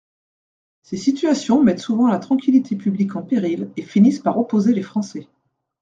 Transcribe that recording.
Ces situations mettent souvent la tranquillité publique en péril et finissent par opposer les Français.